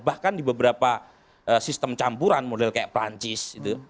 bahkan di beberapa sistem campuran model kayak perancis